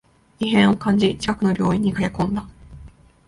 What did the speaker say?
異変を感じ、近くの病院に駆けこんだ